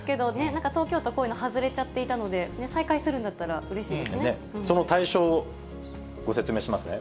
なんか東京都、こういうの外れちゃってたので、再開するんだったらうれしいですその対象をご説明しますね。